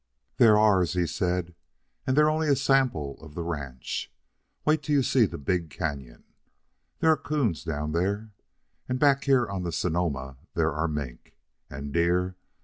"They're ours," he said. "And they're only a sample of the ranch. Wait till you see the big canon. There are 'coons down there, and back here on the Sonoma there are mink. And deer!